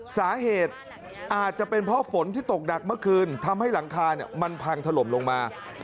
สาเหตุอาจจะเป็นเพราะฝนที่ตกหนักเมื่อคืนทำให้หลังคามันพังถล่มลงมา